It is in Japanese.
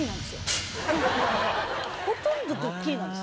ほとんどドッキリなんです。